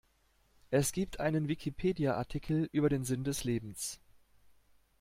Es gibt einen Wikipedia-Artikel über den Sinn des Lebens.